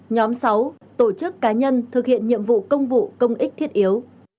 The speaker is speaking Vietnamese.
nhóm sáu tổ chức cá nhân thực hiện nhiệm vụ công vụ công ích thiết yếu